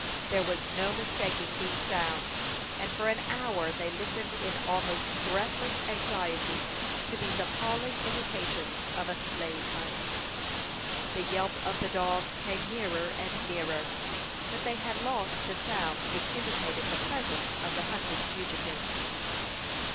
There was no mistaking these sounds; and for an hour they listened in almost breathless anxiety to these appalling indications of a slave hunt. The yelp of the dogs came nearer and nearer; but they had lost the sounds which indicated the presence of the hunted fugitive.